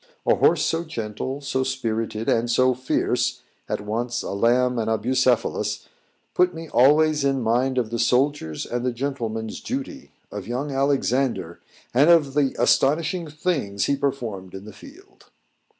A horse so gentle, so spirited, and so fierce at once a lamb and a Bucephalus, put me always in mind of the soldier's and the gentleman's duty! of young Alexander, and of the astonishing things he performed in the field.